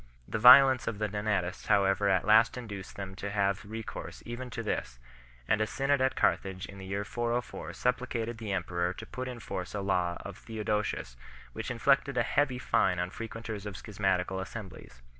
The violence of the L)onatists however at last induced them to have recourse even to this, and a Synod at Carthage in the year 404 supplicated the emperor to put in force a law of Theodosius which inflicted a heavy fine on frequenters of schismatical as semblies 2